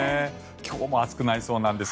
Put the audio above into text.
今日も暑くなりそうなんです。